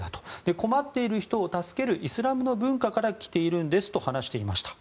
困っている人を助けるイスラムの文化から来ているんですと話していました。